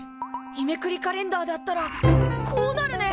日めくりカレンダーだったらこうなるね。